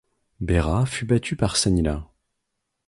Berà fut battu par Sanila.